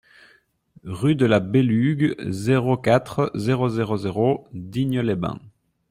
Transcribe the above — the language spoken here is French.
Rue de la Belugue, zéro quatre, zéro zéro zéro Digne-les-Bains